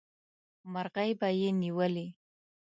مرغۍ به یې نیولې.